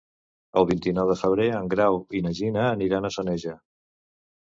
El vint-i-nou de febrer en Grau i na Gina aniran a Soneja.